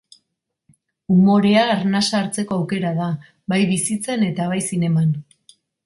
Umorea arnasa hartzeko aukera da, bai bizitzan eta bai zineman.